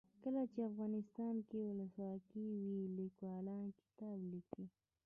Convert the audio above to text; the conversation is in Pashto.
کله چې افغانستان کې ولسواکي وي لیکوالان کتاب لیکي.